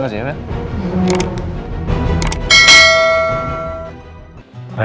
beres ya pak